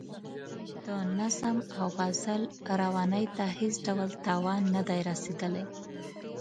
د نظم او غزل روانۍ ته هېڅ ډول تاوان نه دی رسیدلی.